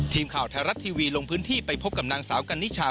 ทีมข่าวไทยรัฐทีวีลงพื้นที่ไปพบกับนางสาวกันนิชา